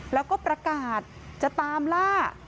แล้วก็ประกาศจะตามล่า